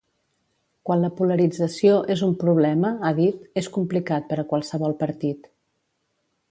Quan la polarització és ‘un problema’, ha dit, és complicat per a qualsevol partit.